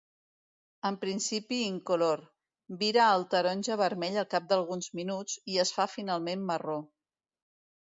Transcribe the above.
En principi incolor, vira al taronja-vermell al cap d'alguns minuts i es fa finalment marró.